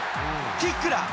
キックだ。